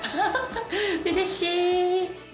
うれしい！